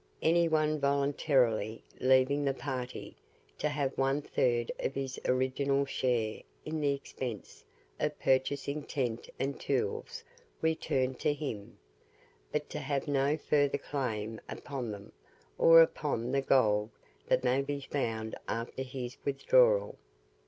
Any one voluntarily leaving the party, to have one third of his original share in the expense of purchasing tent and tools returned to him, but to have no further claim upon them or upon the gold that may be found after his withdrawal.